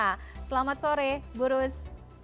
nah selamat sore buruz